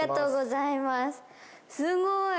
すごい！